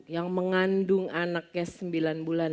yang mengandung anaknya sembilan bulan